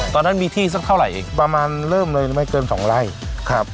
ตอนนั้นมีที่สักเท่าไหร่อีกประมาณเริ่มเลยไม่เกินสองไร่ครับ